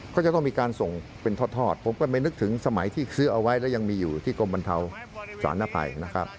ก็จะต้องมีการส่งเป็นทอดผมก็ไม่นึกถึงสมัยที่ซื้อเอาไว้แล้วยังมีอยู่ที่กรมบรรเทาสารภัยนะครับ